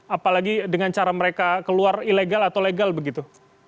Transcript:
apalagi dengan cara mereka keluar ilegal atau legal begitu